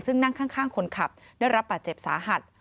ซึ่งนั่งข้างคนขับได้รับบาดเจ็บสาหัส